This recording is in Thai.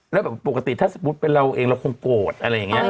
แล้วแบบปกติถ้าสมมุติเป็นเราเองเราคงโกรธอะไรอย่างนี้